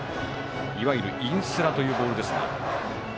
いわゆる、インスラというボールですが。